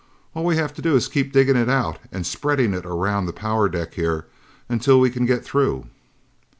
All we have to do is keep digging it out and spreading it around the power deck here until we can get through."